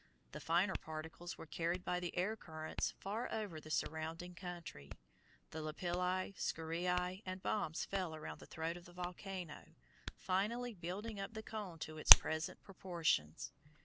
The finer particles were carried by the air currents far over the surrounding country. The lapilli, scoriæ, and bombs fell around the throat of the volcano, finally building up the cone to its present proportions.